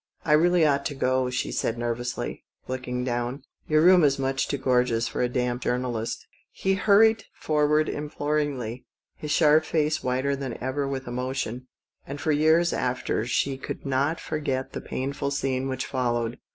" I really ought to go," she said nervously, looking down; "your room is much too gorgeous for a damp journalist." He hurried forward imploringly, his sharp face whiter than ever with emotion, and for MART G0E8 OUT ON A WET DAT. 197 years after she could not forget the painful scene which followed.